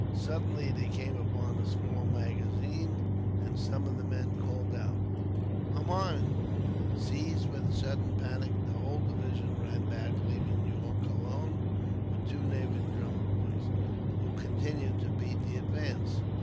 Suddenly they came upon a small magazine, and some of the men called out, "A mine!" Seized with a sudden panic, the whole division ran back, leaving Yorke alone with two native drummer boys, who continued to beat the advance.